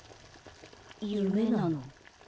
夢なの？